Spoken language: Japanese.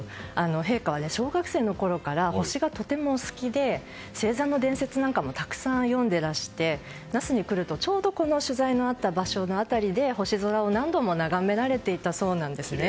陛下は小学生のころから星がとてもお好きで星座の伝説なんかもたくさん読んでいらして那須に来ると、ちょうど取材のあった場所の辺りで星空を何度も眺められていたそうです。